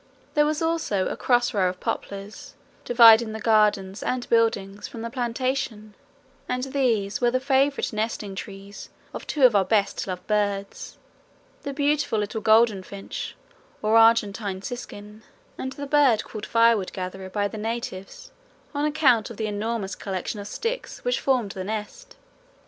There was also a cross row of poplars dividing the gardens and buildings from the plantation, and these were the favourite nesting trees of two of our best loved birds the beautiful little goldfinch or Argentine siskin, and the bird called firewood gatherer by the natives on account of the enormous collection of sticks which formed the nest.